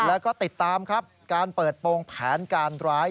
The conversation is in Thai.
แล้วก็ติดตามครับการเปิดโปรงแผนการร้าย